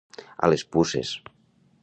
A les puces.